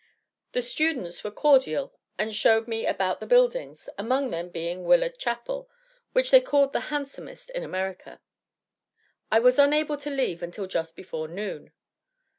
The students were cordial, and showed me about the buildings, among them being Willard Chapel, which they called the handsomest in America. I was unable to leave until just before noon.